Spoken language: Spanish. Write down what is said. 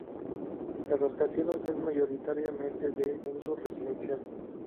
El rascacielos es mayoritariamente de uso residencial.